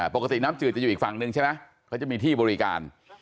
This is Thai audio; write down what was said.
ปกติน้ำจืดจะอยู่อีกฝั่งหนึ่งใช่ไหมเขาจะมีที่บริการ